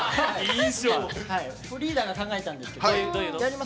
リーダーが考えたんですけど。